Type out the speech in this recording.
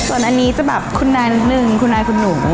ส่วนอันนี้จะแบบคุณนายนิดนึงคุณนายคุณหนู